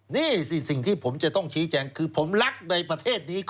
นี่สิสิ่งที่ผมจะต้องชี้แจงคือผมรักในประเทศนี้